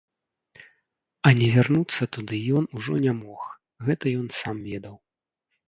А не вярнуцца туды ён ужо не мог, гэта ён сам ведаў.